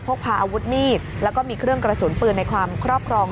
พกพาอาวุธมีดแล้วก็มีเครื่องกระสุนปืนในความครอบครอง